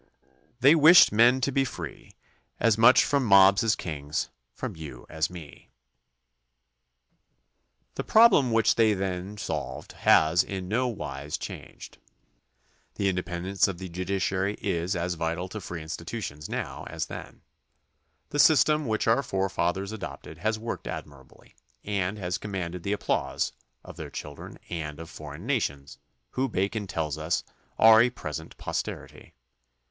" They wished men to be free. As much from mobs as kings, from you as me." 76 THE CONSTITUTION AND ITS MAKERS The problem which they then solved has in no wise changed. The independence of the judiciary is as vital to free institutions now as then. The system which our forefathers adopted has worked admirably and has commanded the applause of their children and of foreign nations, who Bacon tells us are a present posterity.